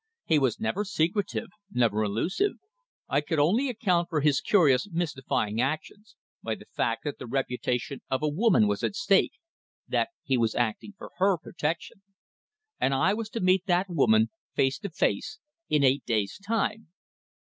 He was never secretive, never elusive. I could only account for his curious, mystifying actions by the fact that the reputation of a woman was at stake that he was acting for her protection. And I was to meet that woman face to face in eight days' time!